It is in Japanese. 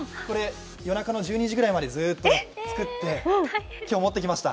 夜中の１２時ぐらいまでずっと作って今日持ってきました。